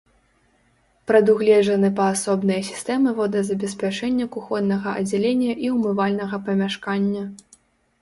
Прадугледжаны паасобныя сістэмы водазабеспячэння кухоннага аддзялення і умывальнага памяшкання.